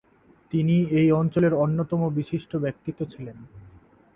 তিনি এই অঞ্চলের অন্যতম বিশিষ্ট ব্যক্তিত্ব ছিলেন।